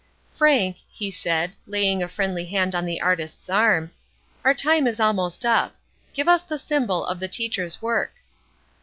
"Frank," he said, laying a friendly hand on the artist's arm, "our time is almost up. Give us the symbol of the teacher's work."